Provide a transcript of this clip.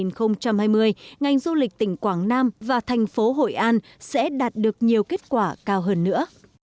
năm hai nghìn hai mươi ngành du lịch tỉnh quảng nam và thành phố hội an sẽ đạt được nhiều kết quả cao hơn nữa